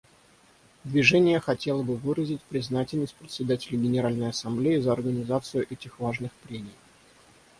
Движение хотело бы выразить признательность Председателю Генеральной Ассамблеи за организацию этих важных прений.